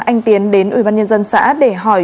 anh tiến đến ubnd xã để hỏi